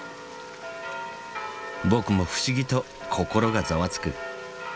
僕も不思議と心がざわつく。